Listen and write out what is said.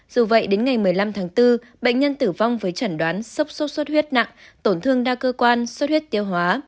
dù vậy đến ngày một mươi năm tháng bốn bệnh nhân tử vong với chẩn đoán sốc sốt xuất huyết nặng tổn thương đa cơ quan sốt huyết tiêu hóa